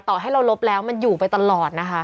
ต่อให้เราลบแล้วมันอยู่ไปตลอดนะคะ